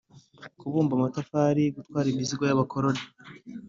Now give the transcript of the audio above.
kubumba amatafari, gutwara imizigo y’abakoloni